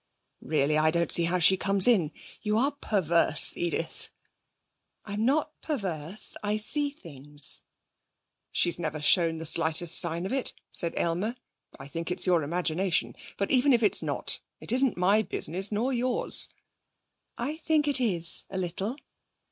'Really, I don't see how she comes in. You are perverse, Edith!' 'I'm not perverse. I see things.' 'She's never shown the slightest sign of it,' said Aylmer. 'I think it's your imagination. But even if it's not, it isn't my business, nor yours.' 'I think it is, a little.'